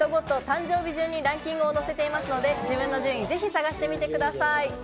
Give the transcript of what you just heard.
誕生日順にランキングを載せていますので、自分の順位、ぜひ探してみてください。